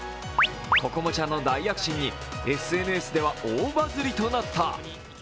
心椛ちゃんの大躍進にＳＮＳでは大バズりとなった。